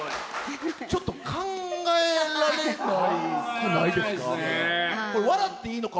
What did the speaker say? ちょっと考えられなくないですか？